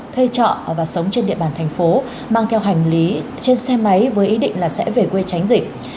thuê trọ và sống trên địa bàn thành phố mang theo hành lý trên xe máy với ý định là sẽ về quê tránh dịch